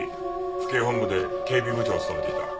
府警本部で警備部長を務めていた。